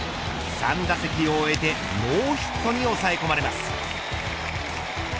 ３打席を終えてノーヒットに抑え込まれます。